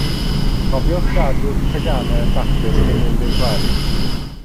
Cofiwch gadw'ch teganau yn daclus cyn mynd i'r gwely.